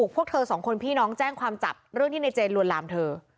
พวกเธอสองคนพี่น้องแจ้งความจับเรื่องที่ในเจนลวนลามเธอ